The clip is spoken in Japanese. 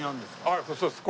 はいそうです。